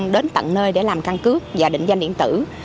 đến tận nơi để làm căn cước và định danh điện tử